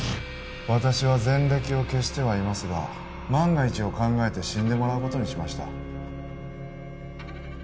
私は前歴を消してはいますが万が一を考えて死んでもらうことにしました